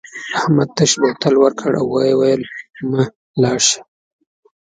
احمد تش بوتل ورکړ او وویل مه لاړ شه.